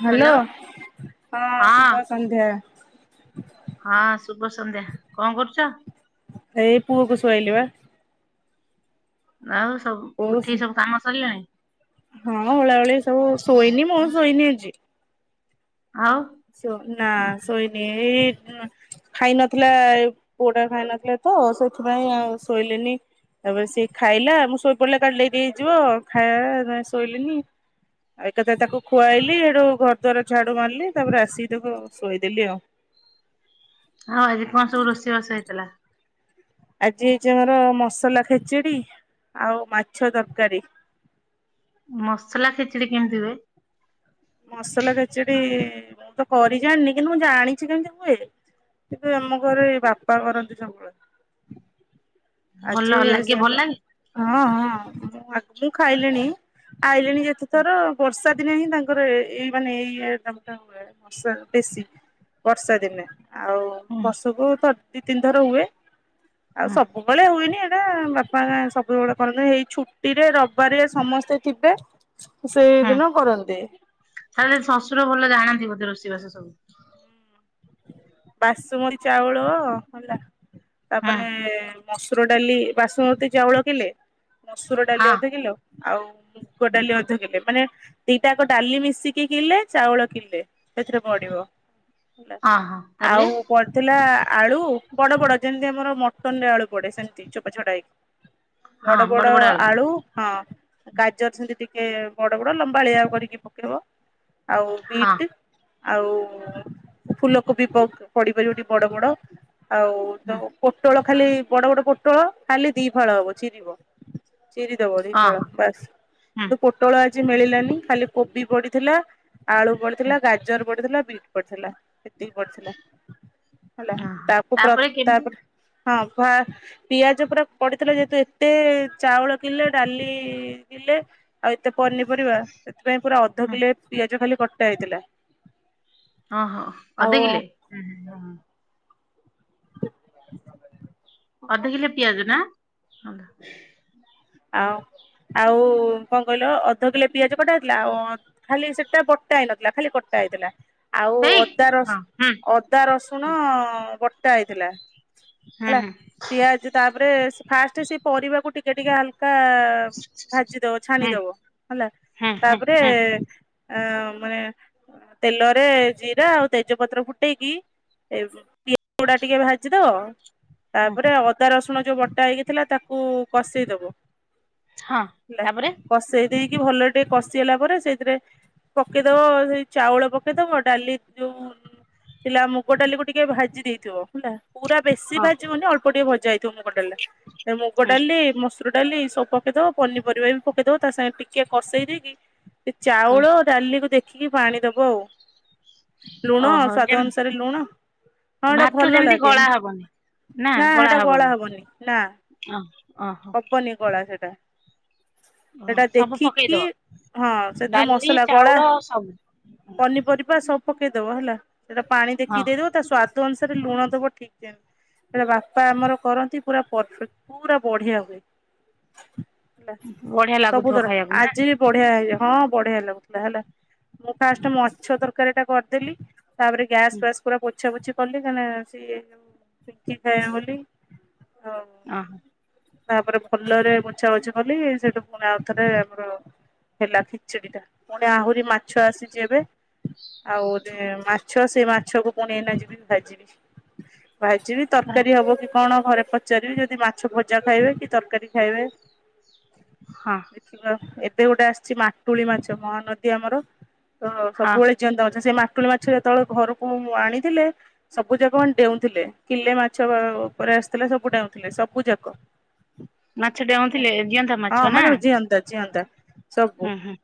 Hello ହଁ ସୁଭଷ ସନ୍ଧ୍ୟା। ହଁ ଶୁଭ ସନ୍ଧ୍ୟା କଣ କରୁଛ? ଏଇ ପୁଅକୁ ଶୁଆଇଲି ବା। ଆଉ ସବୁ ପୁଅକୁ ଉଠିକି ଶୋ ସବୁ କାମ ସରିଲାଣି? ହଁ ଓଳା ହଳି ସବୁ ଶୋଇନି ମୁଁ ଶୋଇନି ଆଜି। ଆଉ ନା ଶୋଇ ନି ଏଇ ଖାଇ ନଥିଲା ଏ ପୁଅଟା ଖାଇ ନଥିଲା ତ ସେଥିପାଇଁ ଆଉ ଶୋଇଲିନି ତାପରେ ସିଏ ଖାଇଲା ମୁଁ ଶୋଇ ପଡିଲା କାଳେ ଲେଟ୍ ହେଇଯିବ ଖାଇବା ଶୋଇଲିନି। ଆଉ ଏକାଥରେ ତାକୁ ଖୁଆଇଲି ଏଡୁ ଘର ଦ୍ଵାର ଝାଡୁ ମାରିଲି। ତାପରେ ଆସିକି ତାକୁ ଶୋଇଦେଲି ଆଉ। ଆଉ ଆଜି କଣ ସବୁ ରୋଷେଇବାସ ହେଇଥିଲା? ଆଜି ହେଇଛି ଆମର ମସଲା ଖେଚିଡ଼ି ଆଉ ମାଛ ତରକାରୀ। ମସଲା ଖେଚିଡ଼ି କେମିତି ହୁଏ? ମସଲା ଖାଚିଡି ମୁଁ ତ କରି ଜାଣିନି କିନ୍ତୁ ମୁଁ ଜାଣିଛି କେମିତି ହୁଏ। କିନ୍ତୁ ଆମ ଘରେ ବାପା କରନ୍ତି ସବୁବେଳେ। ଭଲ ଆଜି ଲାଗେ ସେ ଭଲ ଲାଗେ ହଁ ହଁ ମୁଁ ଖାଇଲିଣି ଆଇଲିଣି ଯେତେଥର ବର୍ଷା ଦିନେ ହିଁ ତା ଏଇ ମାନେ ଏଇ ଆଇଟମ ଟା ହୁଏ ବର୍ଷା ବେଶୀ ବର୍ଷା ଦିନେ। ଆଉ ହୁଁ ବର୍ଷକୁ ଥ ଦି ତିନି ଥର ହୁଏ ଆଉ ହୁଁ ସବୁ ସବବେଳେ ହୁଏନି ଏଇଟା ବାପା ସବୁବେଳେ କରନ୍ତୁ ଏଇ ଛୁଟି ରେ ରବିବାର ସମସ୍ତେ ଥିବେ ହୁଁ ସେଇଦିନ କରନ୍ତି। ତାହେଲେ ଶଶୁର ଭଲ ଜାଣନ୍ତି ବୋଧେ ରୋଷେଇ ବାସ ସବୁ? ବାସୁମତୀ ଚାଉଳ ହେଲା ହୁଁ ତାପରେ ମସୁର ଡାଲି ବାଶୁମତୀ ଚାଉଳ କିଲେ ମସୁର ହଁ ଡାଲି ଅଧ କିଲୋ ଆଉ ମୁଗଡାଲି ଅଧ କିଲେ ମାନେ ଦିଟାକ ଡାଲି ମିଶିକି କିିଲେ ଚାଉଳ କିିଲେ ସେଥିରେ ପଢିବ ହେଲା। ହଁ ହଁ। ତାପରେ ଆଉ ପଡ଼ି ଥିଲା ଆଳୁ ବଡ଼ବଡ଼ ଯେମିତି ଆମର ମଟନ ରେ ଆଳୁ ପଡ଼େ ସେମିତି। ଚୋପ ଛଡ଼ା ହେଇକି ବଡ ବଡ ଆଳୁ ହଁ ଗାଜର ସେମିତି ଟିକେ ବଡ଼ ବଡ଼ ଲମ୍ବାଳିଆ କରିକି ପକେଇବ ଆଉ ହଁ ବିଟ୍ ଆଉ ଫୁଲକୋବି ପ ପଡ଼ିପାରିବଟି ବଡ଼ ବଡ଼ ଆଉ ତୋ ହୁଁ ପୋଟଳ ଖାଲି ବଡ଼ବଡ଼ ପୋଟଳ ଖାଲି ଦି ଫାଳ ହବ ଚିରିବ। ଚିରି ଦବ ଦି ହଁ ଫାଳ ହଁ ହୁଁ ବାସ ପୋ ଟୋଳ ଆଜି ମିଳିଲାନି ଖାଲି କୋବି ପଡ଼ିଥିଲା ଆଳୁ ପଡ଼ିଥିଲା ଗାଜର ପଡ଼ିଥିଲା ବି ପଡ଼ିଥିଲା ସେତିକି ପଡ଼ିଥିଲା ହେଲା ହଁ ହଁ ତାକୁ ପ୍ର କେମିତି ତାପରେ ହଁ ଭା ପିଆଜ ପୁରା ପଡିଥିଲା ଯେହେତୁ ଏତେ ଚାଉଳ କିିଲେ ଡାଲି କିିଲେ ଆଉ ଏତେ ପନିପରିବା ସେଥିପାଇଁ ପୁରା ଅଧ ହୁଁ କିଲୋ ପିଆଜ ଖାଲି କଟା ହେଇଥିଲା। ଅ ହ ଆଉ ଅଧକିଲେ? [inaudible] ଅଧ କିଲେ ପିଆଜ ନା? ଆଉ ଆଉ କଣ କହିଲ ଅଧ କିଲେ ପିଆଜ କଟା ହେଇଥିଲା ଆଉ ଖାଲି ସେଟା ବଟା ହେଇନଥିଲା ଖାଲି କଟା ହେଇଥିଲା। ଆଉ ହେଇ ଅଦା ରସ ହଁ ହୁଁ ଅଦା ରସୁଣ ବଟା ହେଇଥିଲା। ହୁଁ ହେଲା ହୁଁ ପିଆଜ ତାପରେ ସ ଫାଷ୍ଟ ସେ ପରିବାକୁ ଟିକେ ଟିକେ ହାଲକା ଭାଜି ଦବ ହୁଁ ଛାଣିଦବ ହେଲା ହୁଁ ହୁଁ ତାପରେ ହୁଁ ଆ ମାନେ ତେଲରେ ଜିରା ଆଉ ତେଜପତ୍ର ଫୁଟେଇକି ଏ ପିଆଜ ଗୁଡା ଟିକେ ଭାଜି ଦବ ହୁଁ ତାପରେ ଅଦା ରସୁଣ ଯୋଉ ବଟା ହେଇକି ଥିଲା ତାକୁ କଷେଇ ଦବ। ହଁ ହେଲା ତାପରେ କଷେଇ ଦେଇକି ଭଲରେ ଟିକେ କଷି ହେଲା ପରେ ସେଇଥିରେ ପକେଇଦବ ସେଇ ଚାଉଳ ପକେଇଦବ ଡାଲି ଯୋଉ ଥିଲା ମୁଗ ଡାଲିକୁ ଟିକେ ଭାଜି ଦେଇଥିବ ହେଲା। ପୁରା ବେଶୀ ହଁ ଭାଜିବନି ଅଳ୍ପ ଟିକେ ଭଜା ହେଇଥିବ ମୁଗ ଡାଲା ମୁଗ ହୁଁ ଡାଲି ମସ୍ ଡାଲି ସବୁ ପକେଇଦବ ପନିପରିବା ବି ପକେଇ ଦବ ତା ସାଙ୍ଗେ ଟିକେ କଷେଇ ଦେଇକି ସେ ହୁଁ ଚାଉଳ ଡାଲିକୁୁ ଦେଖିକି ପାଣି ଦବ ଆଉ ଲୁଣ ଓହୋ ସ୍ୱାଦ ଯେମ୍ ଅନୁସାରେ ଲୁଣ ହଁ ଏଇଟା ଭାତ ଭଲ ଯେମିତି ଲାଗେ ଗଳା ହବନି ନା ସେଟା ଗଳା ହବନି ନା। ଓ ଓହୋ। ପନି କଳା ସେଟା। ଓ ସେଟା ସବୁ ଦେଖିକି ପକେଇଦବ ହଁ ସେଦିନ ଡାଲି ମସଲା କଳା ଚାଉଳ ସବୁ ପନିପରିବା ସବୁ ପକେଇଦବ ହେଲା ସେଟା ପାଣି ହଁ ଦେଖି ଦେଇଦବ ତା ସ୍ୱାଦ ଅନୁସାରେ ଲୁଣ ଦବ ଠିକ ଯେମତି ବାପା ଆମର କରନ୍ତି ପୁରା ପରଫେକ୍ଟ ପୁରା ବଢିଆ ହୁଏ। ହେଲା ବଢିଆ ଲାଗୁଥିବ ସବୁଥର ଖାଇବାକୁ ନା ଆଜି ବି ବଢିଆ ହେଇଯ ହଁ ବଢିଆ ଲାଗୁଥିଲା ହେଲା। ମୁଁ ଫାଷ୍ଟ ମାଛ ତରକାରୀ ଟା କରିଦେଲି। ତାପରେ ହୁଁ ଗ୍ୟାସଫ୍ୟାସ ପୁରା ପୋ ଛା ପୁଛି କଲି କାନା ସିଏ [unintelligible] ଖାଏ ବୋଲି ଆଉ ଓ ହୋ। ତାପରେ ଭଲରେ ପୋଛା ପୋଛି କଲି ସେଠୁ ପୁଣି ଆଉ ଥରେ ଆମର ହେଲା ଖିଚିଡି ଟା ପୁଣି ଆହୁରି ମାଛ ଆସିଚି ଏବେ। ଆଉ ଗୋଟେ ମାଛ ସେଇ ମାଛକୁ ପୁଣି ଏନା ଯିବି ଭାଜିବି। ଭାଜିବି ତରକାରୀ ହବ କି କଣ ଘରେ ପଚାରିବି ଯଦି ମାଛ ଭଜା ଖାଇବେ କି ତରକାରୀ ଖାଇବେ ହଁ। ଦେଖିବା। ଏବେ ଗୋଟେ ଆସଚି ମାଟୁଳି ମାଛ। ମହାନଦୀ ଆମର ତ ହଁ ସବୁବେଳେ ଜିଅନ୍ତା ମାଛ। ସେ ମାଟୁଳି ମାଛ ଯେତଳେ ଘରକୁ ଆଣିଥିଲେ ସବୁ ଯାକ ମାନେ ଡେଉଁଥିଲେ। କିଲେ ମାଛ ବା ଉପରେ ଆସିଥିଲା ସବୁ ଡେଉଁଥିଲେ ସବୁ ଯାକ। ମାଛ ଡେଉଁ ହଁ ମାନେ ଜିଅନ୍ତା ଜିଅନ୍ତା ସବୁ। ହୁଁ ହୁଁ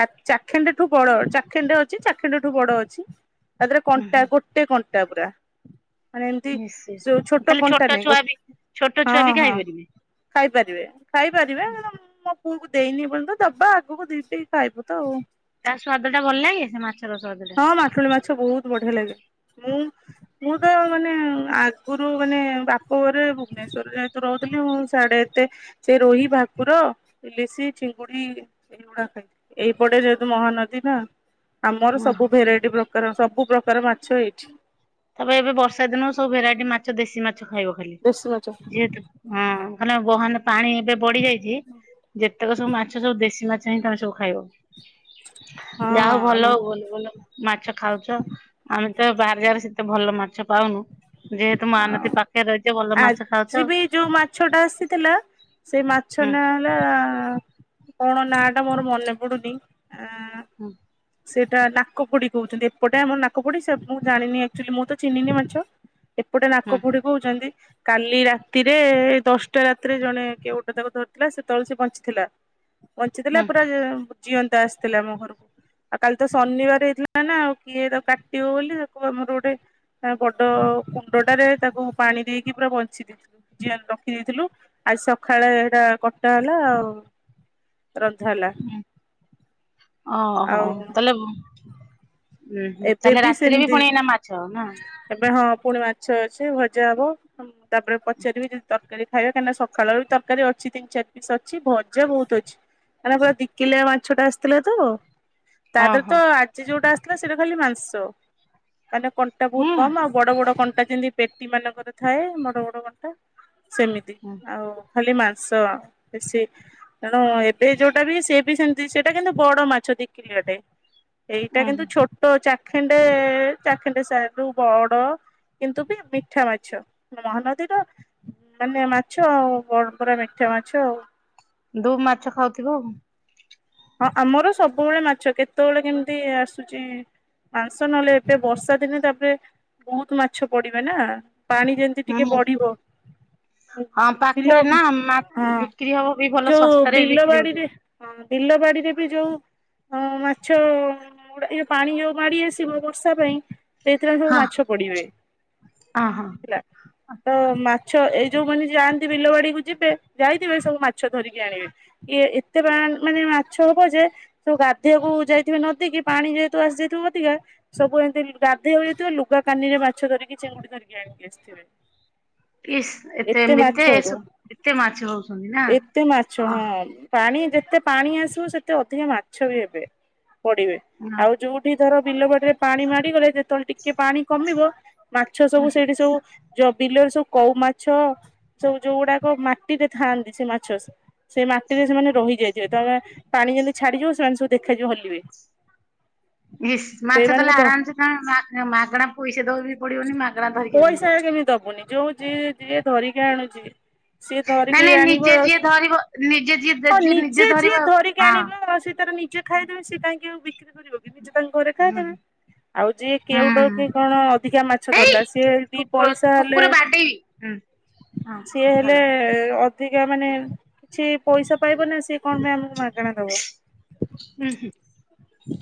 ହ ଚାଖେଣ୍ଡେ ଠୁ ବଡ ଚାଖେଣ୍ଡେ ଅଛି ଚାଖେଣ୍ଡ ଠୁ ବଡ ଅଛି। ତ ଦିହରେ ହୁଁ ହୁଁ କଣ୍ଟା ଗୋଟେ କଣ୍ଟା ପୁରା। ମାନେ ଏମିତି ନିଶ୍ଚୟ ସେଉ ଛୋଟ ତାହେଲେ କଣ୍ଟା ନାଇ ଛୁଆ ବି ଛୋଟ ଛୁଆ ହଁ ବି ହଁ। ଖାଇପାରିବେ ଖାଇପାରିବେ ଖାଇପାରିବେ ମୋ ପୁଅକୁ ଦେଇନି ଏପନ୍ତ ଦବା ଆଗକୁ ଦି ଟିକି ଖାଇବୁ ତ ଆଉ। ତା ସ୍ଵାଦ ଟା ଭଲ ଲାଗେ ସେ ମାଛର ସ୍ଵାଦ ଟା? ହଁ ମାଟୁଳି ମାଛ ବହୁତ ବଢିଆ ଲାଗେ। ମୁଁ ମୁଁ ତ ମାନେ ଆଗରୁ ମାନେ ବାପ ଘରେ ଭୁବନେଶ୍ଵରରେ ଯେହେତୁ ରହୁଥିଲି ମୁଁ ସାଡେ ଏତେ ସେ ରୋହି ଭାକୁର ଇଲିଶି ଚିଙ୍ଗୁଡି ଖ ପେ ଏଇପଟେ ଯେହେତୁ ମହାନଦୀ ନା ଆମର ଓହୋ ସବୁ ଭେରାଇଟି ପ୍ରକାର ସବୁ ପ୍ରକାର ମାଛ ଏଇଠି ତାପରେ ଏବେ ବର୍ଷା ଦିନ ହ ସବୁ ଭେରାଇଟି ମାଛ ଦେଶୀ ମାଛ ଖାଇବ ଖାଲି ଦେଶୀ ମାଛ ଯେହେତୁ ହଁ ଭଲବହାନ ପାଣି ଏବେ ବଢି ଯାଇଛି ଯେତେକ ସବୁ ମାଛ ସବୁ ଦେଶୀ ମାଛ ହିଁ ତମେ ସବୁ ଖାଇବ ଯାହା ହଉ ଭଲ ହଁ ଭଲ ଭଲ ମାଛ ଖାଉଛ ଆମେ ତ ବାହାରି ଯାରେ ସେତେ ଭଲ ମାଛ ପାଉନୁ ଯେହେତୁ ଆଉ ମହାନଦୀ ପାଖରେ ରହିଛ ଭଲ ମାଛ ଖାଉଛ ଆଜି ଆଉ ବି ଯୋଉ ମାଛ ଟା ଆସିଥିଲା ସେ ମାଛ ହୁଁ ନ ହେଲା କଣ ନା ଟା ମୋର ମନେ ପଡୁନି ଆ ହଁ ସେଇଟା ନାକପୋଡି କହୁଛନ୍ତି ଏପଟେ ଆମ ନାକପୋଡି ସେ ମୁଁ ଜାଣିନି ଆକଚୁଆଲି ମୁଁ ତ ଚିହ୍ନିନି ମାଛ ଏପଟେ ନାକ ହୁଁ ଫୁଡି କହୁଛନ୍ତି କାଲି ରାତିରେ ଦଶଟା ରାତିରେ ଜଣେ କେ ଗୋଟେ ତାକୁ ଧରିଥିଲା ସେତେବେଳେ ସେ ବଞ୍ଚିଥିଲା ହୁଁ ବଞ୍ଚିଥିଲା ପୁରା ଜି ଅ ଜିଅନ୍ତା ଆସିଥିଲା ଆମ ଘରକୁ ଆଉ କାଲି ତ ଶନିବାର ହେଇଥିଲା ନା ଆଉ କିଏ ତା କାଟିବ ବୋଲି ତାକୁ ଆମର ଗୋଟେ ତା ବଡ କୁଣ୍ଡ ଟାରେ ତାକୁ ପାଣି ଦେଇକି ପୁରା ବଞ୍ଚି ଦେଇଥା ଜିଅନ୍ତ ରଖିଦେଇଥିଲୁ ଆଜି ସକାଳେ ଏଇଟା କଟା ହେଲା ଆଉ ରନ୍ଧା ହେଲା ଓ ହୋ ଆଉ ତାହେଲେ ଉୁଁ ହୁଁ ଏବେ ତାହେଲେ ରାତିରେ ବି ସେମିତି ପୁଣି ଏଇନା ମାଛ ନା! ଏବେ ହଁ ପୁଣି ମାଛ ଅଛି ଭଜା ହବ, ତାପରେ ପଚାରିବି ଯେ ତରକାରୀ ଖାଇବେ କାହିଁକିନା ସକାଳ ର ବି ତରକାରୀ ଅଛି ତିନି ଚାରି ପିସ୍ ଅଛି ଭଜା ବହୁତ ଅଛି। ମାନେ ପୁରା ଦିକିଲିଆ ମାଛ ଟା ଆସିଥିଲା ତ, ତା ଦେହରେ ତ ଓହୋ ଆଜି ଯୋଉଟା ଆସିଥିଲା ସେଇଟା ଖାଲି ମାଂସ ମାନେ କଣ୍ଟା ହୁଁ ବହୁତ କମ ଆଉ ବଡ଼ ବଡ଼ କଣ୍ଟା ଯେମିତି ପେଟି ମାନଙ୍କର ଥାଏ ବଡ଼ ବଡ଼ କଣ୍ଟା ସେମିତି ହୁଁ ଆଉ ଖାଲି ମାଂସ ବେଶୀ ତେଣୁ ଏବେ ଯୋଉଟା ବି ସେ ବି ସେମିତି ସେଇଟା କିନ୍ତୁ ବଡ ମାଛ ଦିକିଲିଆଟେ। ଏଇଟା ଉଁ କିନ୍ତୁ ହୁଁ ଛୋଟ ଚାଖେଣ୍ଡେ, ଚାଖେଣ୍ଡେ ସା ରୁ ବଡ। କିନ୍ତୁ ବି ମିଠା ମାଛ ମହାନଦୀର ମାନେ ମାଛ ଆଉ ବ ପୁରା ମିଠା ମାଛ ଆଉ। ଦୁମ୍ ମାଛ ଖାଉଥିବ ଆଉ। ହଁ ଆମର ସବୁବେଳେ ମାଛ, କେତେବେଳେ କେମିତି ଆସୁଛି ମାଂସ ନହେଲେ ଏବେ ବର୍ଷା ଦିନେ ତାପରେ ବହୁତ ମାଛ ପଡିବେ ନା ପାଣି ଯେମି ତି ହୁଁ ଟିକେ ହୁଁ। ବଢିବ ହଁ ବିଲ ପାଖରେ ନା ମା ହଁ ବିକ୍ରି ହବ ବି ଭଲ ଯୋଉ ଶସ୍ତାରେ ବି ବିଲ ବିକ୍ରି ହଉଥିବ। ବାଡିରେ ହଁ ବିଲ, ବାଡିରେ ବି ଯୋଉ ହଁ ମାଛ ଗୁଡା ଏ ପାଣି ଯୋଉ ମାଡି ଆସିବ ବର୍ଷା ପାଇଁ ସେଇଥିରେ ସବୁ ହଁ ମାଛ ପଡିବେ, ହଁ ହଁ ହେଲା ତ ମାଛ ଏଇ ଯୋଉ ମାନେ ଯାଆନ୍ତି ବିଲବାଡିକୁୁ ଯିବେ ଯାଇଥିବେ, ସବୁ ମାଛ ଧରିକି ଆଣିବେ। ଏ ଏତେ ମାନେ ମାଛ ହବ ଯେ, ସବୁ ଗାଧେଇବାକୁ ଯାଇଥିବେ ନଦୀ କିି ପାଣି ଯେହେତୁ ଆସିଯାଇଥିବ ଅଧିକା ସବୁ ଏମିତି ଗାଧେଇବାକୁ ଯାଇଥିବେ, ଲୁଗା କାନିରେ ମାଛ ଧରିକି ଚିଙ୍ଗୁଡି ଧରିକି ଆଣିକି ଆସିଥିବେ। ଏତେ ମାଛ ତ, ଏତେ ମାଛ ହଉଛନ୍ତି ନା। ଏତେ ମାଛ ଅ ହଁ ପାଣି ଯେତେ ପାଣି ଆସିବ ସେତେ ଅଧିକା ମାଛ ବି ହେବେ ପଡିବେ। ଆଉ ଯୋଉ ଏଠି ଧର ବିଲ ବାଡିରେ ପାଣି ମାଡିଗଲେ ଯେତେବେଳେ ଟିକେ ପାଣି କମିବ ମାଛ ସବୁ ସେଇଠି ସବୁ ଯୋଉ ବିଲରେ ସବୁ କଉ ମାଛ ସବୁ ଯୋଉ ଗୁଡାକ ମାଟିରେ ଥାଆନ୍ତି ସେ ମାଛ ସେଇ ମାଟିରେ ସେମାନେ ରହିଯାଇଥିବେ ତମେ ପାଣି ଯେମିତି ଛାଡିଯିବ ସେମାନେ ସବୁ ଦେଖାଯିବ ହଲିବେ। ଇସ୍ ମାଛ ତାହେଲେ ସେଇମାନଙ୍କୁ ଧ ଆରାମସେ ତମେ ମାଗ ମାଗଣା ପଇସା ଦବା ବି ପଡିବନି ମାଗଣା ଧରିକି ପଇସା ଆଣିବ। କେମିତି ଦବୁନି? ଯୋଉ ଯି ଯିଏ ଧରିକି ଆଣୁଛି ସିଏ ନାଇଁ ଧରିକି ନାଇଁ ଆଣିବ ନିଜେ ଆଉ ଯିଏ ସି ଧରିବ ନିଜେ ଯିଏ ହଁ ଯିଏ ନି ନିଜେ ଯିଏ ଧରିବ ଧରିକି ହଁ। ଆଣିବ ଆଉ ସେ ତାର ନିଜେ ଖାଇଦେବେ ସିଏ କାହିଁକି ଆଉ ବିକ୍ରି କରିବ କି ନିଜେ ତାଙ୍କ ଘରେ ହୁଁ ଖାଇଦେବେ। ଆଉ ଯିଏ କେଉଟ ହୁଁ କି କଣ ଅଧିକା ମାଛ ଧରିଲା, ସିଏ ଦି ପଇସା ହେଲେ ବି ହୁଁ ହଁ ସିଏ ଭଲ ହେଲେ ଅ ଧିକା ମାନେ କିଛି ପଇସା ପାଇବ ନା ସେ କଣ ପାଇଁ ଆମକୁ ମାଗଣା ଦବ। ହୁଁ ହୁଁ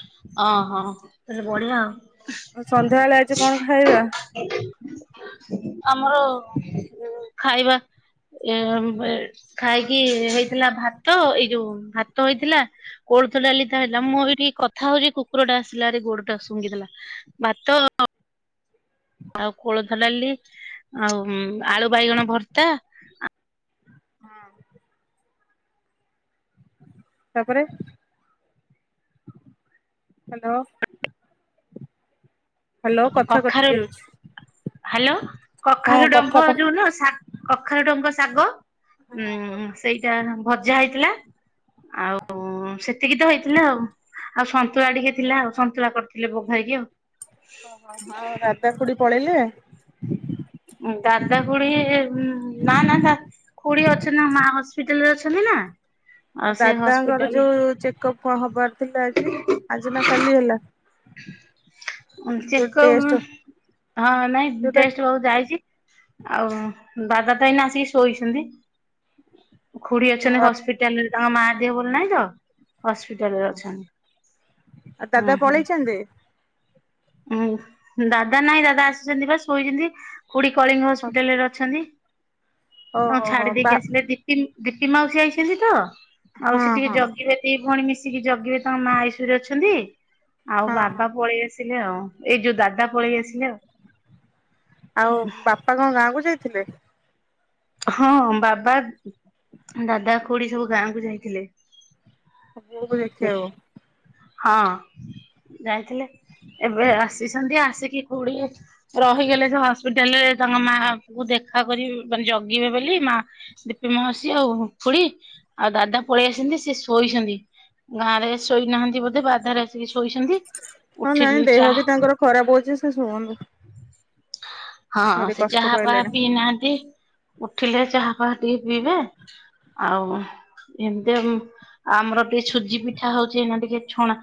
ଅହ ତାହେଲେ ବଢ଼ିଆ ଆଉ। ଆଉ ସନ୍ଧ୍ୟାବେଳେ ଆଜି କଣ ଖାଇବା? ଆମର ଖାଇବା ଏ ବେ ଖାଇକି ହେଇଥିଲା ଭାତ ଏଇ ଯୋଉ ଭାତ ହେଇଥିଲା କୋଳଥ ଡାଲି ଟା ହେଲା, ମୁଁ ଏଇଠି କଥା ହଉଛି କୁକୁର ଟା ଆସିଲା ରା ଗୋଡ଼ଟା ଶୁଂଘୀ ଦେଲା। ଭାତ ଆଉ କୋଳଥ ଡ଼ାଲି ଆଉ ଉମ ଆଳୁ ବାଇଗଣ ଭର୍ତା। ହଁ। ତାପରେ ହ୍ୟାଲୋ। ହ୍ୟାଲୋ କଥା କଟି କଖାରୁ ଯାଉଛି। ହ୍ୟାଲୋ ହଁ କଖାରୁ ଡଙ୍କ କଥାଟା ଯୋଉ ନୁହଁ ସା କଖାରୁ ଡ଼ଙ୍କ ଶାଗ ଉଁ ସେଇଟା ଭଜା ହେଇଥିଲା। ଆଉ ସେତିକି ତ ହେଇଥିଲା ଆଉ। ଆଉ ସନ୍ତୁଳା ଟିକେ ଥିଲା ଆଉ ସନ୍ତୁଳା କରିଥିଲେ ବଘାଇକି ଆଉ। ଆଉ ଦାଦା ଖୁଡ଼ି ପଳେଇଲେ। ଦାଦା ଖୁଡ଼ି ନା ନା ଦା ଖୁଡ଼ି ଅଛନ୍ତି ନା ମା ହସ୍ପିଟାଲ ରେ ଅଛନ୍ତି ନା। ଆଉ ସେ ଦାଦାଙ୍କର ହସ୍ପିଟାଲ ଯୋଉ ଚେକଅପ୍ ହବାର ଥିଲା ଆଜି ଆଜି ନା କାଲି ହେଲା। ଯୋଉ ଚେକଅବ୍ ଟେଷ୍ଟ ହଁ ନାଇଁ ଯୋଉଟା ଟେଷ୍ଟ ହବାକୁ ଯାଇଛି। ଆଉ ଦାଦା ତ ଏଇନା ଆସିକି ଶୋଇଛନ୍ତି। ଖୁଡ଼ି ଅଛନ୍ତି ହଁ ହସ୍ପିଟାଲ ରେ ତାଙ୍କ ମା ଦେହ ଭଲ ନାହିଁ ତ। ହସ୍ପିଟାଲରେ ଅଛନ୍ତି ଉଁ ହୁଁ। ନ୍ଦି ଉଁ ଦାଦା ନାଇଁ ଦାଦା ଆସିଛନ୍ତି ବା ଶୋଇଛନ୍ତି ଖୁଡ଼ି କଳିଙ୍ଗ ହସ୍ପିଟାଲ ରେ ଅଛନ୍ତି। ଓହୋ ତାଙ୍କୁ ହୋ ଛାଡ଼ି ବା ଦେଇକି ଆସିଲେ ଦୀପିନ ଦୀପି ମାଉସୀ ଆଇଛନ୍ତି ତ ହଁ ମାଉସୀ ଟିକେ ହଁ ଜଗିବେ। ଦି ଭଉଣି ମିଶିକି ଜଗିବେ ତାଙ୍କ ମା ଆଇ ସି ଉ ରେ ଅଛନ୍ତି ଆଉ ହଁ ହଁ। ବାବା ପଳେଇ ଆସ୍ ଥିଲେ ଆଉ ଏଇ ଯୋଉ ଦାଦା ପଳେଇ ଆସିଲେ ଆଉ। ଆଉ ବାପା କଣ ଗାଁ କୁ ଯାଇଥିଲେ? ହଁ ବାବା, ଦାଦା, ଖୁଡ଼ି ସବୁ ଗାଁ କୁ ଯାଇଥିଲେ। ମୋ ବୋଉକୁ ଦେଖିବାକୁ। ହଁ ଯାଇଥିଲେ ଏବେ ଆସିଛନ୍ତି ଆସିକି କୋଡ଼ିଏ ରହିଗଲେ ସେ ହସ୍ପିଟାଲ ରେ ତାଙ୍କ ମାଙ୍କୁୁ ଦେଖା କରିଏ ମାନେ ଜଗିବେ ବୋଲି ମା ଦୀପି ମାଉସୀ ଆଉ ଖୁଡ଼ି ଆଉ ଦାଦା ପଳେଇ ଆସିନ୍ତି ସେ ଶୋଇଛନ୍ତି। ଗାଁ ରେ ଶୋଇନାହାନ୍ତି ବୋଧେ ବାଧାରେ ଆସିକି ଶୋଇଛନ୍ତି। ହଁ ନାଇଁ ଉଠିଲି ଦେହ ଚାହା ବି ତାଙ୍କର ଖରାପ ହଉଛି ସେ ଶୁଅନ୍ତୁ। ହଁ ଭାରି ସେ କଷ୍ଟ ଚାହା ଫାହା ପାଇଲେଣି ପିଇ ନାହାନ୍ତି। ଉଠିଲେ ଚାହା ଫାହା ଟିକେ ପିଇବେ। ଆଉ ଏମିତି ଆଉ ଆମର ଟିକେ ସୁଜି ପିଠା ହଉଛି ଏଇନା ଟିକେ ଛୁଣା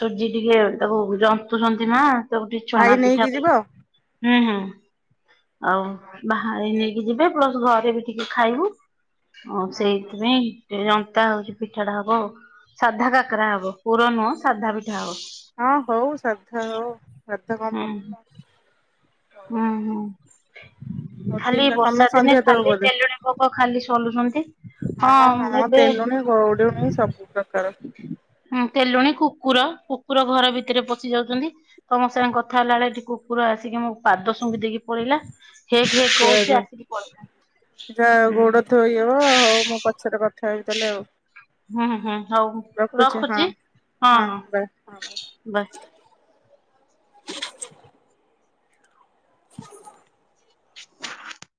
ସୂଜି ଟିକେ ତାକୁ ଜନ୍ତୁଛନ୍ତି ନା। ତାକୁ ଟିକେ ଭାଇ ଛଣା ପିଠା ନେଇକି ବେ ଯିବ ହଁ ହୁଁ ହୁଁ ଆଉ ବାହାଇ ନେଇକି ଯିବେ। ପ୍ଲସ୍ ଘରେ ବି ଟିକେ ଖାଇବୁ ଆଉ ସେଇଥିପାଇଁ। ଜନ୍ତା ହଉଛି ପିଠା ଟା ହବ ଆଉ ସାଧା କାକରା ହବ ପୁର ନୁହଁ ସାଧା ପିଠା ହବ। ହଁ ହଉ ସାଧା ହଉ ସାଧା କଣ ହୁଁ। ଭଲ ହଉ। ହୁଁ ହୁଁ ହଉ ଖାଲି ଠିକ ଅଛି ତମେ ବର୍ଷା ଦିନେ ସନ୍ଧ୍ୟା ଦବ ଖାଲି ବୋଧେ ତେଲୁଣି ପୋକ ଖାଲି ସଲୁଛନ୍ତି। ହଁ ହଁ ତେଲୁଣି ଗଉଡୁଣି ସବୁ ପ୍ରକାର। ହଁ ତେଲୁଣି, କୁକୁର। କୁକୁର ଘର ଭିତରେ ପଶି ଯାଉଛନ୍ତି। ତମ ସାଙ୍ଗେ କଥା ହେଲା ବେଳେ ଏଠି କୁକୁର ଆସିକି ମୋ ପାଦ ଶୁଙ୍ଘି ଦେଇକି ପଳେଇଲା। ହେକ୍ ହେକ୍ ଯା କହୁଛି ଯା ଆସିକି ପଳେଇଲା ଯା ହୁଁ ଗୋଡ ଧୋଇହବ ମୋ ପା ସେଟା କଥା ହେବି ତାହେଲେ ଆଉ। ହୁଁ ହୁଁ ହଉ ରଖୁଛି ହଁ ହଁ ବାଏ। ହଁ ବାଏ। ବାଏ। [inaudible]